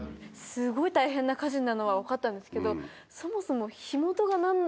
すごい大変な火事なのは分かったんですけどそもそも。